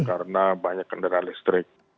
karena banyak kendaraan listrik